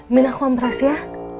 minah kuam beras ya